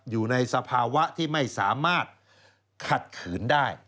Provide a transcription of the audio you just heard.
อยู่ในสภาวะที่ไม่สามารถขัดขืนได้